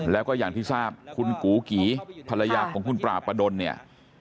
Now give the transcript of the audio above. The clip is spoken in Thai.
แล้วก็อย่างที่ทราบคุณกูกีภรรยาของคุณปราบประดนเนี่ย